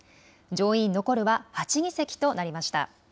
上院、残るは８議席となりました。